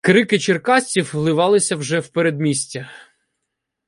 Крики черкасців вливалися вже в передмістя.